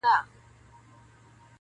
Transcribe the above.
• خر په پوه سو چي لېوه ووغولولی -